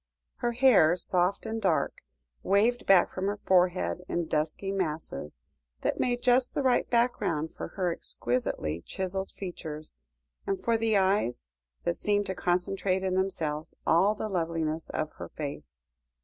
Her hair, soft and dark, waved back from her forehead in dusky masses, that made just the right background for her exquisitely chiselled features, and for the eyes, that seemed to concentrate in themselves all the loveliness of her face.